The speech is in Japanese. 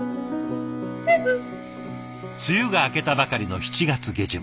梅雨が明けたばかりの７月下旬。